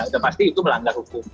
sudah pasti itu melanggar hukum